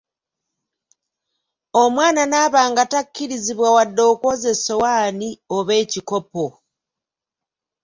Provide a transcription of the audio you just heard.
Omwana n'aba nga takkirizibwa wadde okwoza essowaani oba ekikopo!